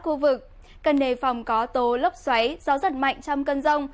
khu vực cần đề phòng có tố lốc xoáy gió giật mạnh trong cơn rông